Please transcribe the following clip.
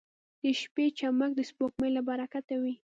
• د شپې چمک د سپوږمۍ له برکته وي.